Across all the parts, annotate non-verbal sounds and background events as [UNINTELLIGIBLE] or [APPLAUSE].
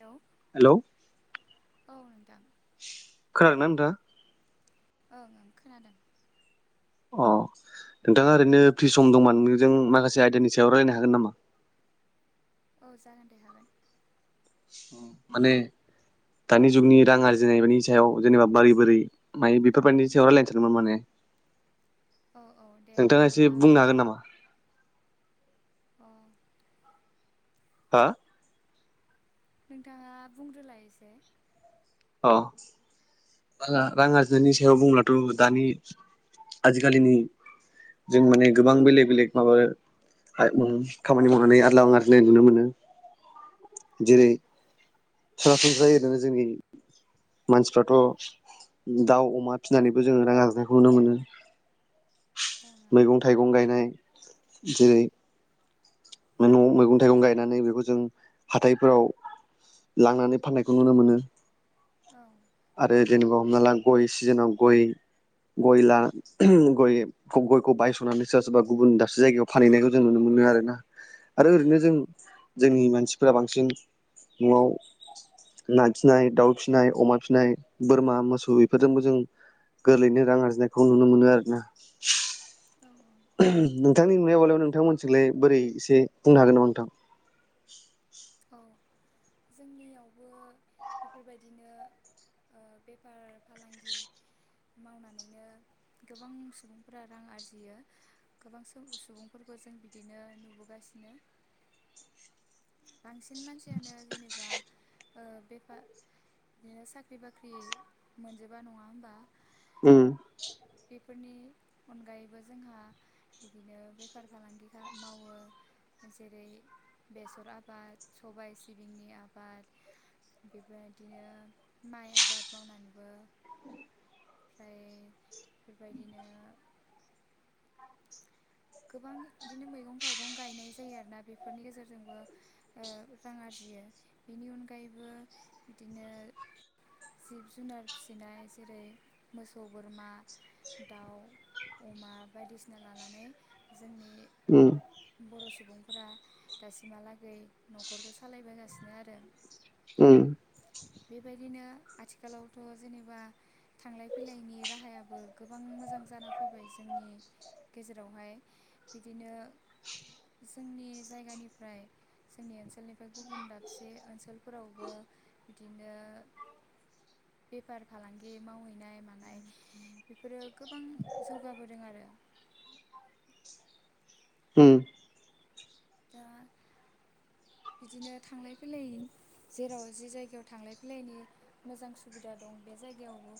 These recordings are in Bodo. हेलौ। हेल'। औ नोंथां। खोनादों ना नोंथाङा? ओं ओं खोनादों। अ नोंथाङा ओरैनो फ्रि सम दंमोन नोंजों माखासे आयदानि सायाव रायजलायनो हागोन नामा? औ जागोन दे हागोन। माने दानि जुगनि रां आरजिनायनायनि सायाव जेनेबा बोरै बोरै। माइ बिफोरा बायदिनि सायावरालायदोमोन माने औ औ दे नोंथाङा एसे बुंनो हागोन नामा? अ हो। नोंथाङा बुंग्रोलाय‌ एसे। अ आ रां आरजिनायनि सायाव बुंब्लाथ' दानि आजिखालिनि। जों माने गोबां बेलेग बेलेग माबा खामानि मावनानै आरोलाव आरिनाय नुनो मोनो। औ जेरै ओं सारासनस्रा जायो ओरैनो जोंनि मानसिफ्राथ' दाउ अमा फिनानैबो जोङो थां आरजिनायखौ जोपङो नुनो मोनो। ओं मैगं थाइगं गायनाय जेरै- न' आव मैगं थाइगं गायनानै बेखौ जों हााइफोराव। लांनानै फाननायखौ नुनो मोनो। औ। आरो जेनेबा हमना ला गय सिजोनाव गय गय ला गय गयखौ बायस'नानै सोरबा सोरबा गुबुन दाबसे जायगायाव फानहैनायखौ जों नुनो मोनो आरोना। आरो ओरैनो ओं जों जोंनि मानसिफोरा बांसिन न'आव ना फिसिनाय दाउ फिसिनाय अमा फिसिनाय फिसिनाय बोरमा मोसौ बेफोरजोंबो जों गोरलैनो रां आरजिनायखौ नुनो मोनो आरोना औ औ। नोंथांनि नुनायावलाय नोंथां मोनथिखौलाय बोरै एसे बुंनो हागोन नामा नोंथां? औ जोंनियावबो बेफोरबायदिनो ओ बेफार फालांगि। मावनानैनो गोबां सुबुंफोरा रां आरजियो। गोबां सु- सुबुंफोरखौ जों बिदिनो नुबोगासिनो बांसिन मानसियानो जेनेबा ओ- बेफा बिदिनो साख्रि बाख्रि मोनजोबा नङा होम्बा उम बेफोरनि अनगायैबो जोंहा बिदिनो बेफार फालांगि मावो जेरै बेसर आबाद आबाद सबाय सिबिंनि आबाद बेबायदिनो माइ आबाद मावनानैबो ओमफ्राय बेबायदिनो। गोबां बिदिनो मैगं थाइगं गायनाय जायो आरोना बेफोरनि गेजेरजोंबो ओ- रां आरजियो बेनि अनगायैबो बिदिनो जिब जुनार फिसिनाय जेरै मोसौ बोरमा दाउ अमा बायदिसिना लानानै जोंनि उम बर' सुबुंफोरा दासिमहालागै न'खरखौ सालायबोगासिनो आरो उम बेबायदिनो आथिखालावथ' जेनेबा थांलाय फैलायनि राहायाबो गोबां मोजां जाना फैबाय जोंनि गेजेरावहाय बिदिनो जोंनि जायगानिफ्राय जोंनि ओनसोलनिफ्राय गुबुन दाबसे ओनसोलफोरावबो बिदिनो बेफार फालांगि मावहैनाय मानाय बेफोरो गोबां जौगाबोदों आरो हम- दा- बिदिनो थांलाय फैलाय जेराव जि जायगायाव थांलाय फैलायनि मोजां सुबिदा दं बे जायगायावबो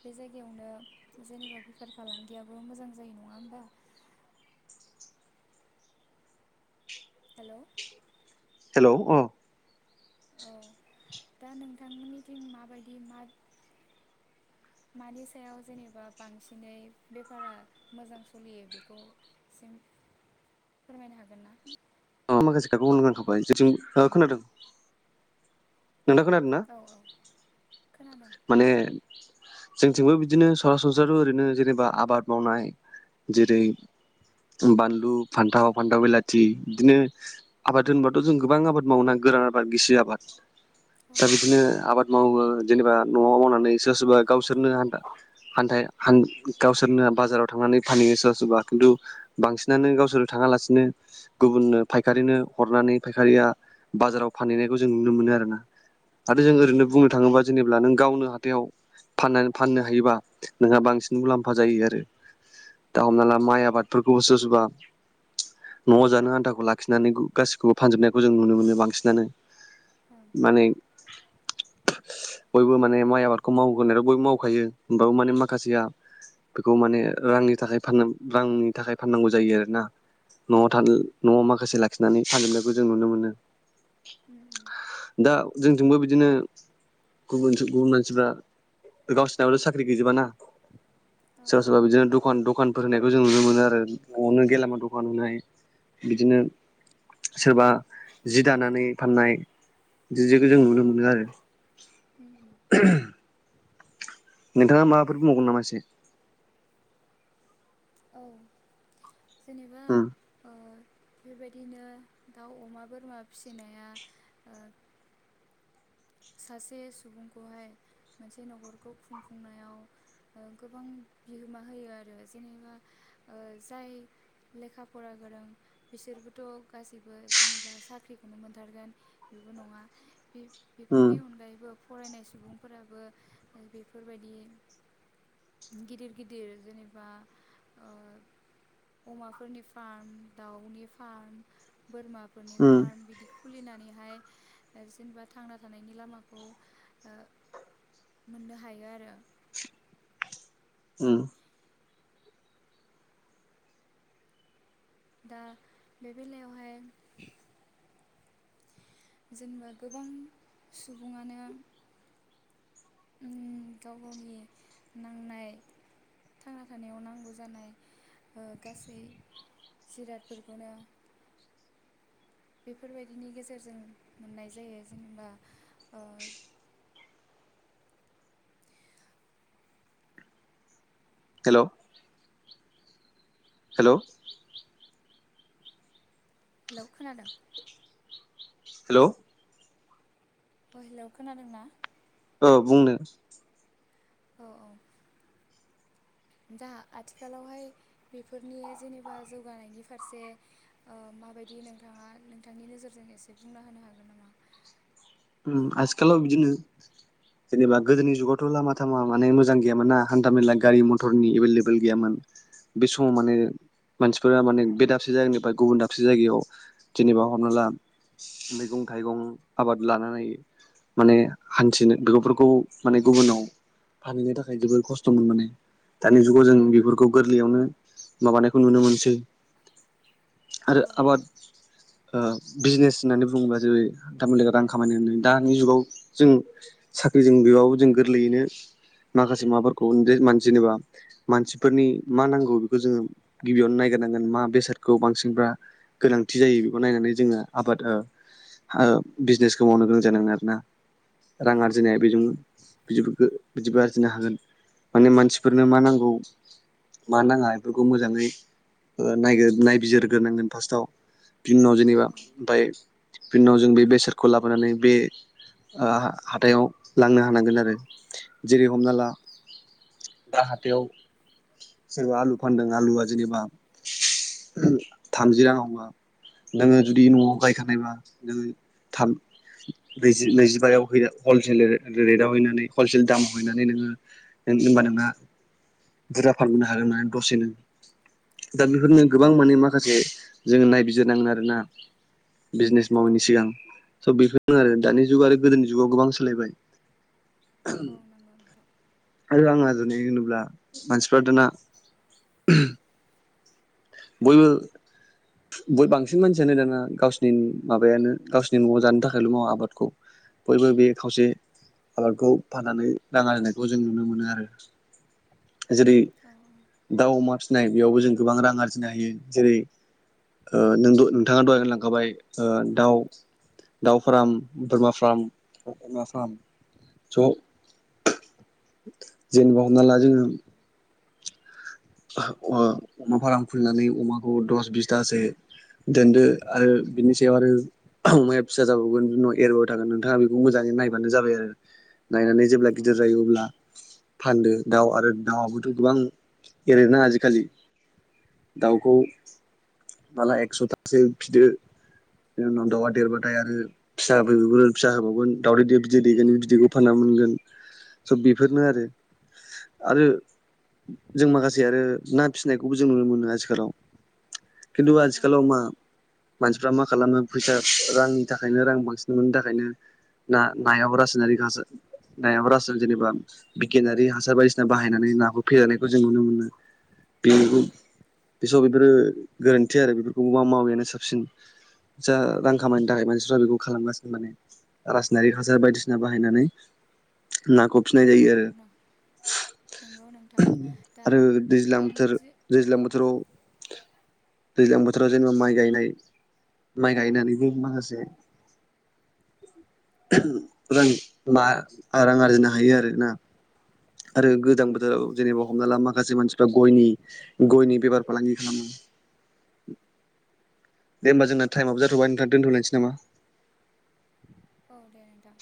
बे जायगायावनो जेनेबा बेफार फालांगियाबो मोजां जायो नङा होम्बा हेल' औ- उम औ- दा नोंथांनिथिं माबायदि मा [UNINTELLIGIBLE] मानि सायाव जेनेबा बांसिनै बेफारा मोजां सोलियो बेखौ सिम फोरमायनो हागोन ना माखासे खोखौनो गां [INAUDIBLE] खाबाय जे ज खोनादों नोंथाङा खोनादों ना औ- औ- खोनादों माने जोंथिंबो बिदिनो सरासनस्रा ओरैनो जेनेबा आबाद मावनाय जेरै बानलु फान्थाव फान्थाव बिलाथि बिदिनो आबाद होनबाथ' जों गोबां आबाद मावा गोरान आबाद गिसि आबाद औ दा बिदिनो आबाद मावो जेनेबा न'आव मावनानै सोरबा सोरबा गावसोरनो आन्दा हान्थ हान गावसोरनो बाजाराव थांनानै फानहैयो सोरबा सोरबा खिन्थु बांसिनानो गावसोरो थाङालासिनो गुबुननो फायखारिनो हरनानै फायखारिया बाजाराव फानहैनायखौ जों नुनो मोनो आरो ना आरो जों औ औ ओरैनो बुंनो थाङोबा जेब्ला नों गावनो हाथायाव फाननानै फाननो हायोबा नोंहा बांसिन मुलाम्फा जायो आरो दा हमना ओं ला माइ आबादफोरखौबो सोरबा सोरबा न'आव जानो आान्थाखौ लाखिनानै गासिखौबो फानजोबनायखौ जों नुनो मोनो बांसिनानो ओं माने बयबो माने माइ आबादखौ मावग्रोनाय ' बयबो मावखायो होमबाबो माने माखासेया बेखौ माने रांनि थाखाय फाननो रांनि थाखाय फाननांगौ जायो आरो ना न'आव थाल उम न'आव माखासे लाखिनानै फानजोबनायखौ जों नुनो मोनो। उम दा जोंथिंबो बिदिनो गुबुन गुबुन मानसिफ्रा गावसोरनायाबल' साख्रि गैजोबाना औ सोरबा सोरबा बिदिनो दखान दखान फोर होनायखौ जों नुनो मोनो आरो न'आवनो गेलामा दखान होनाय बिदिनो सोरबा जि दानानै फाननाय बिदि जखौ जों नुनो मोनो आरो उम [UNINTELLIGIBLE] नोंथाङा माबाफोर मावबगोन नामा एसे औ जेनेबा। उम बेबायदिनो दाउ अमा बोरमा फिसिनाया ओ सासे सुबुंखौहाय मोनसे नखरखौ खुंफुंनायाव ओ गोबां बिहोमा होयो आरो जेनेबा ओ जाय लेखा फरा गोरों बिसोरबोथ' गासैबो जेनेबा साख्रिखौनो मोनथारगोन बेबो नंङा बे उम बेफोरनि अनगायैबो फरायनाय सुबुंफोराबो ओ बेफोरबायदि गिदिर गिदिर जेनेबा ओ अमाफोरनि फार्म दाउनि फार्म बोरमा फोरनि उम फार्म बिदि खुलिनानैहाय जेनेबा थांना थानायनि लामाखौ ओ मोननो हायो आरो। उम दा बे बेलायावहाय जेनबा गोबां सुबुंङानो उम गाव गावनि नांनाय थांना थानायाव नांगौ जानाय ओ गासै जिरादफोरखौनो बेफोरबायदिनि गेजेरजों मोननाय जायो जेनेबा ओ हेलोव हेलोव हेलौ खोनादों? हेलोव अ हेलौ खोनादों ना? औ बुंनो औ औ दा आथिखालावहाय बेफोरनि जेनेबा जौगानायनि फारसे ओ माबायदि नोंथांङा नोंथांनि नोजोरजों एसे बुंना होनो हागोन नामा? उम आथिखालाव बिदिनो जेनोबा गोदोनि जुगावथ' लामा थामा माने मोजां गैयामोनना हान्था मेला गारि मथरनि एभेलेबेल गैयामोन। बे समाव माने मानसिफोरा माने बे दाबसे जायगानिफ्राय गुबुन दाबसे जायगायाव जेनेबा हमना ला मैगं थाइगं आबाद लानानै माने हान्थिनो बेगफोरखौ माने गुबुनाव फानहैनो थाखाय जोबोर खस्थ'मोन माने दानि जुगाव जों बेफोरखौ गोरलैयावनो माबानायखौ नुनो मोनसै। आरो औ आबाद ओ बिजनेस होननानै बुंङोब्ला जेरै दाममलिग [UNINTELLIGIBLE] खामानि होनो दानि जुगाव जों साख्रिजों बेबाबो जों गोरलैयैनो माखासे माबाफोरखौ [UNINTELLIGIBLE] मान जेनेबा मानसिफोरनि मा नांगौ बेखौ जोंङो गिबियावनो नायगिरनांगोन मा बेसादखौ बांसिनब्रा गोनांथि जायो बेखौ नायनानै जोंङो आबाद ओ ओ बिजनेस समावनो गोनां जानांङो आरोना रां ओं औ आरजिनाया बेजों बिदि गो बिदिबो आर्जिनो हागोन माने मानसिफोरनो मा नांगौ मा नाङा बेफोरखौ मोजाङै ओ नायगोर नायबिजिरग्रोनांगोन फार्स्टआव बिनि उनाव औ जेनेबा ओमफाय बिनि उनाव जों बे बेसाद खौ लाबोनानै बे ओ हाथायाव लांनो हानांगोन आरो जेरै हमना ला दा हाथाइआव सोरबा आलु फानदों आलुआ जेनेबा थामजि रां आवबा नोंङो जुदि न'आव गायखानायबा नोंङो थाम नैजि नैजिबायाव हैना हलसेल रेटआव हैनानै हलसेल दामाव हैनानै नोंङो होन होनबा नोंना बुरजा फारमोनहागोन ना दसे नो दा औ बेफोरनो गोबां माने माखासे जोंङो नायबिजिरनांगोन आरोना बिजनेस मावैनि सिगां नंगौ स' बेफोरनो आरो दानि जुग आरो गोदोनि जुगाव गोबां सोलायबाय औ नंगौ नोंथां आरो आंहा जुदि होनोब्ला मानसिफ्रा दाना [UNINTELLIGIBLE] बयबो बहुद बांसिन मानसियानो नोड़ो गावसिनि माबायानो गावसिनि न'आव जानो थाखायल' मावा आबादखौ बयबो बे खावसे आबादखौ फाननानै नाङा होननायखौ जों नुनो मोनो आरो जेरै औ दाउ अमा फिसिनाय बेयावबो जों गोबां रां आरजिनो हायो जेरै- ओ नों दं नोंथाङा दहाय होनलांखाबाय ओ दाउ दाउ फार्म, बोरमा फार्म, अमा फार्म ज' जेनेबा हमना ला जोङो ओ अमा फाराम खुलिनानै अमाखौ दस बिसथासो दोनदो आरो बिनि सायाव आरो अमाया फिसा जाबावगोन बि उनाव एरबाय थागोन नोंथाङा बेखौ मोजाङै नायब्लानो जाबाय आरो नायनानै जेब्ला गिदिर जायो अब्ला फानदो दाउ आरो दाउआबोथ' गोबां एरैनो आजिखालि दाउखौ माला एकस'थासो फिदो बिनि उनाव दाउआ देरबाथाय आरो फिसा होबैबैगोन फिसा होबावगोन दावदै द बिदै दैगोन बिदैखौ फानना मोनगोन स' बेफोरनो आरो आरो जों माखासे माखासे आरो ना फिनायखौबो जों नुनो मोनो आथिखालाव खिन्थु आथिखालाव मा मानसिफ्रा मा खालामो फैसा रांनि थाखायनो रां बांसिन मोननो थाखायनो ना नायाबो रासायनारि खासो नाया रासों जेनेबा बिगियानारि हासार बायदिसिना बाहायनानै नाखौ फेेरनायखौ जों नुनो मोनो बेनि बेसआव बेफोरो गोरोन्थि आरो बेफोरखौ मा मावैयानो साबसिन फैसा रां खामायनो थाखाय मानसिफ्रा बेखौ खालामगासिनो माने रासनारि हासार बायदिसिना बाहायनानै नाखौ फिनाय औ जायो आरो नंगौ नोंथां दा आरो लां नों बोथोर जि दैज्लां बोथोराव दैज्लां बोथोराव जेनेबा माइ गायनाय माइ गायनानैबो माखासे रां मा रां आरजिनो हायो आरोना आरो औ गोजां बोथोराव जेनेबा हमना ला माखासे मानसिफ्रा गयनि गयनि बेफार फालांगि खालामो दे होमबा जोंना टाइमआबो जाथ'बाय नोंथां दोनथ'लायनोसै नामा? औ दे नोंथां